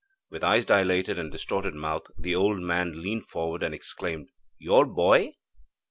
With eyes dilated and distorted mouth, the old man leaned forward and exclaimed: 'Your boy?'